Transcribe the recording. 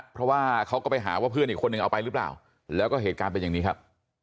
เพราะว่าเขาก็ไปหาว่าเพื่อนอีกคนนึงเอาไปหรือเปล่าแล้วก็เหตุการณ์เป็นอย่างนี้ครับ